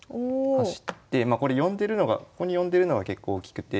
走ってまあこれここに呼んでるのが結構大きくて。